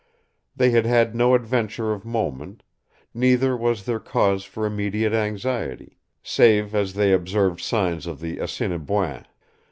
They had had no adventure of moment; neither was there cause for immediate anxiety, save as they observed signs of the Assiniboins.